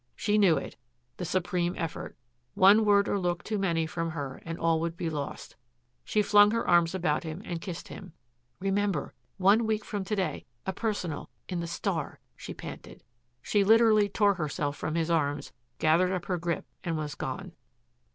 She knew it, the supreme effort. One word or look too many from her and all would be lost. She flung her arms about him and kissed him. "Remember one week from to day a personal in the STAR," she panted. She literally tore herself from his arms, gathered up her grip, and was gone.